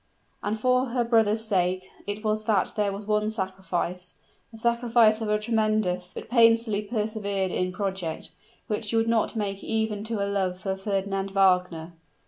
And for her brother's sake it was that there was one sacrifice a sacrifice of a tremendous, but painfully persevered in project which she would not make even to her love for Fernand Wagner!